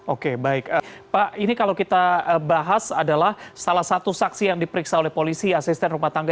oke baik pak ini kalau kita bahas adalah salah satu saksi yang diperiksa oleh polisi asisten rumah tangga